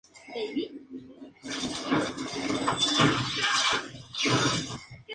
El juego se desarrolla sobre un tablero compuesto por hexágonos.